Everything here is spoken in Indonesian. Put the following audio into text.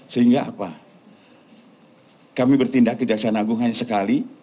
sehingga apa kami bertindak kejaksaan agung hanya sekali